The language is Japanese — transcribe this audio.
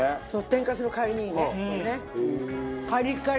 天かすの代わりにいいね。